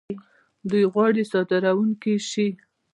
دوی غواړي صادرونکي شي.